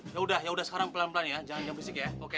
yaudah yaudah sekarang pelan pelan ya jangan berisik ya oke